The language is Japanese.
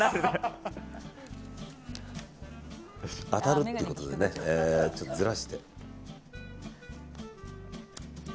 当たるっていうことでねちょっとずらして。